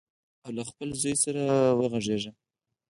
او له خپل زوی سره وغږیږي.